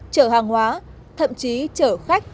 chở hàng hóa thậm chí chở khách